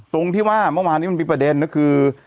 ตรงที่ว่าเมื่อวานนี้มันมีประเด็นก็คือ